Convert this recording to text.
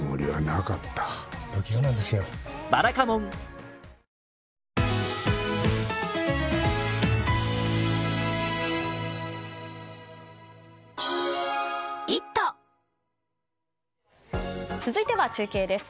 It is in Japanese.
「ビオレ」続いては中継です。